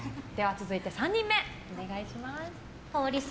続いて３人目、お願いします。